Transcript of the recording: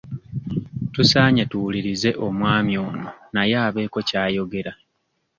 Tusaanye tuwulirize omwami ono naye abeeko ky'ayogera.